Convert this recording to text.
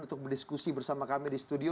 untuk berdiskusi bersama kami di studio